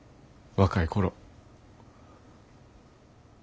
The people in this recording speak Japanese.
若い頃。